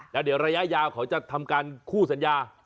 แล้วเดี๋ยวระยะยาวเขาจะทำการคู่สัญญา